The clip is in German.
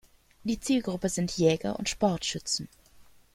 Die Zielgruppe sind Jäger und Sportschützen.